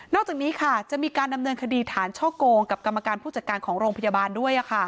จากนี้ค่ะจะมีการดำเนินคดีฐานช่อโกงกับกรรมการผู้จัดการของโรงพยาบาลด้วย